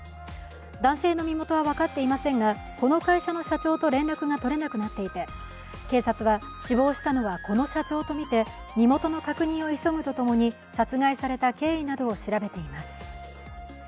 男性の身元は分かっていませんがこの会社の社長と連絡が取れなくなっていて警察は死亡したのはこの社長とみて、身元の確認を急ぐとともに殺害された経緯などを調べています。